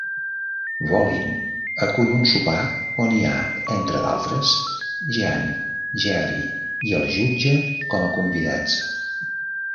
Vollin acull un sopar on hi ha, entre d'altres, Jean, Jerry i el jutge com a convidats.